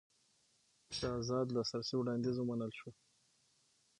د ازاد لاسرسي وړاندیز ومنل شو.